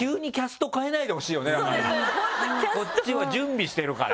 こっちは準備してるから！